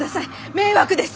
迷惑です！